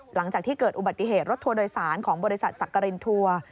หลังจากที่เกิดอุบัติเหตุรถทัวร์โดยสารของบริษัทสักกรินทัวร์